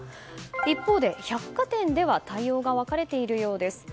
一方で百貨店では対応が分かれているようです。